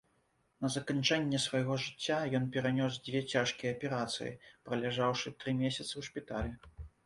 На заканчэнне свайго жыцця ён перанёс дзве цяжкія аперацыі, праляжаўшы тры месяцы ў шпіталі.